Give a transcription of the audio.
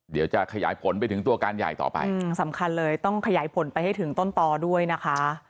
เดี๋ยวจะขยายผลไปถึงตัวการใหญ่ต่อไปอืมสำคัญเลยต้องขยายผลไปให้ถึงต้นต่อด้วยนะคะ